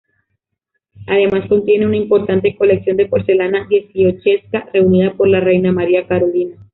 Además, contiene una importante colección de porcelana dieciochesca reunida por la reina María Carolina.